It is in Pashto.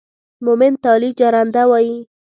مومند تالي جرنده وايي